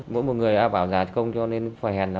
mỗi người a bảo giả công cho nên phò hèn là